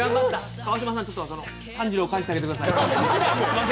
川島さん、炭治郎返してあげてください。